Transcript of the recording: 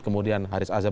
kemudian haris azzaf